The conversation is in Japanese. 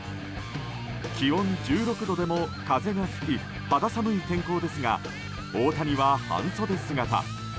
気温１６度でも風が吹き肌寒い天候ですが大谷は半袖姿。